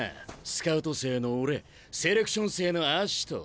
スカウト生の俺セレクション生のアシト。